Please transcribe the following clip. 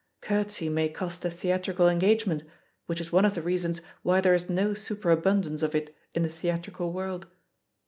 Courtesy may cost a theatrical engagement, which is one of the reasons why there is no superabundance of it in the theatrical world.